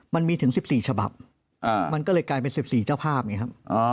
มันมีถึง๑๔ฉบับมันก็เลยกลายเป็น๑๔เจ้าภาพไงครับ